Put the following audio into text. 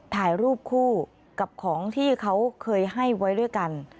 ถ่ายรูปคู่กับของที่เขาเคยให้ไว้ด้วยกัน